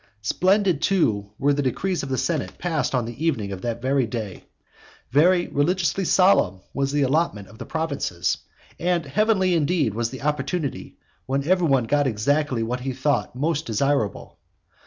Splendid, too, were the decrees of the senate passed on the evening of that very day; very religiously solemn was the allotment of the provinces; and heavenly indeed was the opportunity, when everyone got exactly what he thought most desirable.